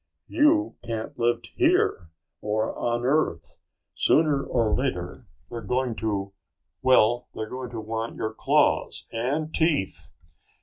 "You can't live here or on Earth. Sooner or later they're going to well, they're going to want your claws and teeth.